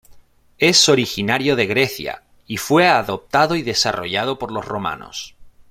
Es originario de Grecia y fue adoptado y desarrollado por los romanos.